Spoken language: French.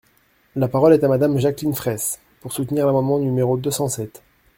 La parole est à Madame Jacqueline Fraysse, pour soutenir l’amendement numéro deux cent sept.